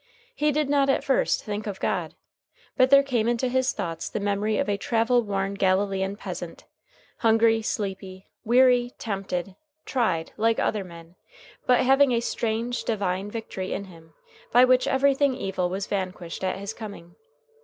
He did not at first think of God; but there came into his thoughts the memory of a travel worn Galilean peasant, hungry, sleepy, weary, tempted, tried, like other men, but having a strange, divine Victory in him by which everything evil was vanquished at his coming.